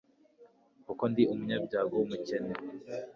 kuko ndi umunyabyago w’umukene